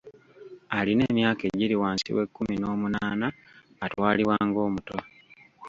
Alina emyaka egiri wansi w'ekkumi n'omunaana atwalibwa ng'omuto.